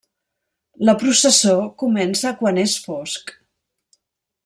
La Processó comença quan és fosc.